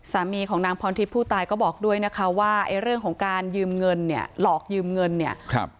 สามีของนางพรทิศภูตายก็บอกด้วยนะคะว่าเรื่องของการหลอกยืมเงินเนี่ย